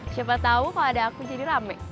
siapa tahu kalau ada aku jadi rame